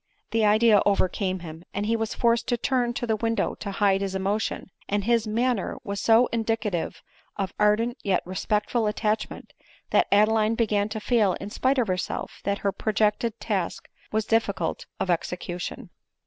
The idea overcame him ; and he was forced to turn to the window to hide his emotion ; and his manner was so indicative of ardent yet respectful attachment, that Adeline began to feel in spite of herself that her projected task was diffi cult of execution.